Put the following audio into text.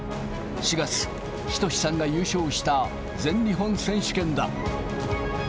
４月、仁さんが優勝した全日本選手権だ。